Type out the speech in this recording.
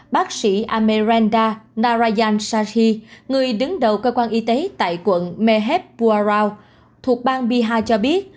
bác sĩ amerenda narayan shahi người đứng đầu cơ quan y tế tại quận meheb purao thuộc bang bihar cho biết